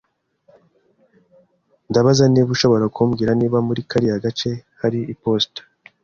Ndabaza niba ushobora kumbwira niba muri kariya gace hari iposita.